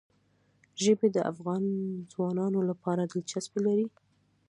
ژبې د افغان ځوانانو لپاره دلچسپي لري.